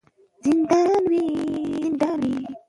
که نجونې باسواده شي نو غولول به یې اسانه نه وي.